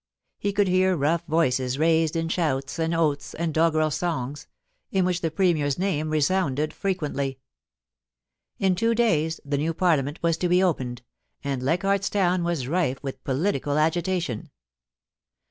He could hear rough voices raised in shouts and oaths and doggrel songs, in which the Premier's name resounded frequently. In two days the new Parliament was to be opened, and Leichardt's Town was rife with political agitation.